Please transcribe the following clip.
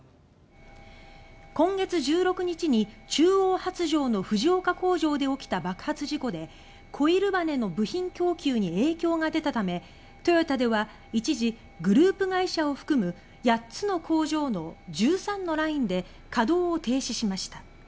今月１６日に中央発條の藤岡工場で起きた爆発事故で「コイルばね」の部品供給に影響が出たためトヨタでは一時グループ会社を含む８つの工場の１３のラインで稼働を停止しました。